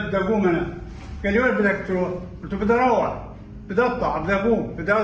dia berkata saya akan berbicara